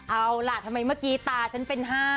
เอาล่ะทำไมเมื่อกี้ตาฉันเป็น๕